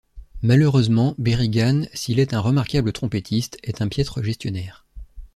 Malheureusement, Berigan, s’il est un remarquable trompettiste, est un piètre gestionnaire.